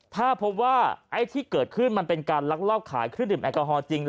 ถ้าพบว่าไอ้ที่เกิดขึ้นมันเป็นการลักลอบขายเครื่องดื่มแอลกอฮอลจริง